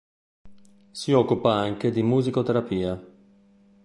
Si occupa anche di musicoterapia.